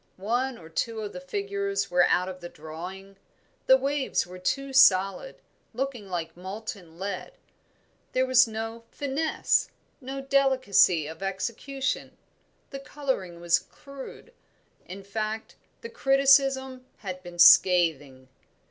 One or two of the figures were out of drawing; the waves were too solid, looking like molten lead. There was no finesse, no delicacy of execution, the colouring was crude; in fact, the criticism had been scathing.